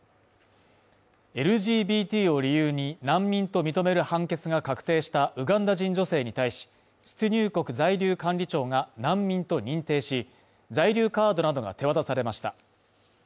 ＬＧＢＴを理由に難民と認める判決が確定したウガンダ人女性に対し、出入国在留管理庁が難民と認定し、在留カードなどが手渡されました。